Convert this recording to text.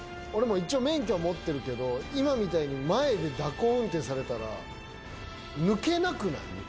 俺も一応免許は持ってるけど今みたいに前で蛇行運転されたら抜けなくない？